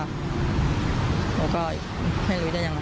ก็ไม่รู้ได้ยังงั้น